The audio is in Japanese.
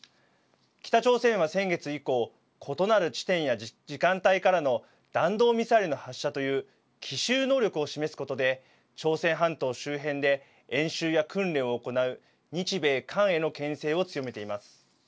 北朝鮮は、先月以降異なる地点や時間帯からの弾道ミサイルの発射という奇襲能力を示すことで朝鮮半島周辺で演習や訓練を行う日米韓へのけん制を強めています。